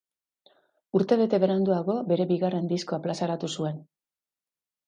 Urte bete beranduago, bere bigarren diskoa plazaratu zuen.